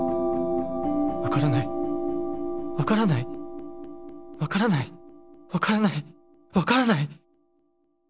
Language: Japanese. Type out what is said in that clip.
分からない分からない分からない分からない分からない